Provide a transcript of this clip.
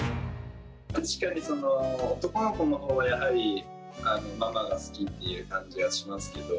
確かに男の子のほうはやはりママが好きっていう感じがしますけど。